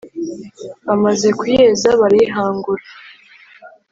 bamaze kuyeza, barayihangura,